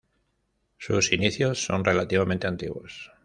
Sus inicios son relativamente antiguos.